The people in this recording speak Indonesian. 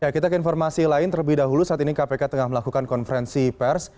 kita ke informasi lain terlebih dahulu saat ini kpk tengah melakukan konferensi pers